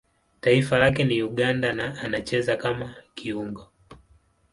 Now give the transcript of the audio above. Taifa lake ni Uganda na anacheza kama kiungo.